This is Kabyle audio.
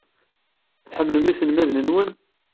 Tḥemmlem iselmaden-nwen?